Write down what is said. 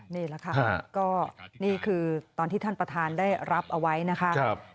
นี่แหละค่ะก็นี่คือตอนที่ท่านประธานได้รับเอาไว้นะคะ